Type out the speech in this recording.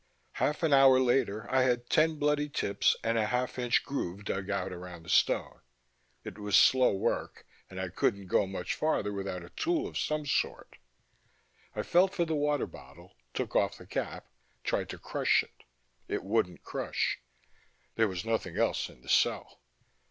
Half an hour later I had ten bloody tips and a half inch groove dug out around the stone. It was slow work and I couldn't go much farther without a tool of some sort. I felt for the water bottle, took off the cap, tried to crush it. It wouldn't crush. There was nothing else in the cell.